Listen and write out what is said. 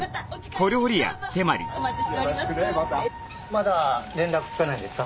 まだ連絡つかないんですか？